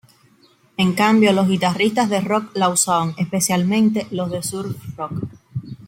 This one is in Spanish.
En cambio, los guitarristas de rock la usaban, especialmente los de surf rock.